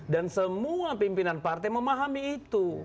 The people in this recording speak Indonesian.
dan semua pimpinan partai memahami itu